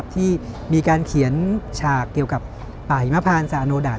ที่มีการเขียนฉากเกี่ยวกับป่าหิมพานสาโนดาต